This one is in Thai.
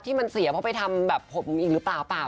ที่มันเสียเพราะไปทำแบบผมอีกหรือเปล่า